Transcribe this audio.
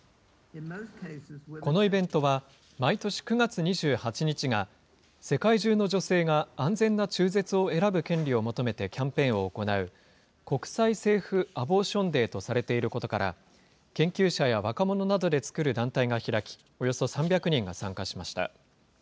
このイベントは、毎年９月２８日が、世界中の女性が安全な中絶を選ぶ権利を求めてキャンペーンを行う、国際セーフ・アボーション・デーとされていることから、研究者や若者などで作る団体が開き、およそ３００人が参加しました。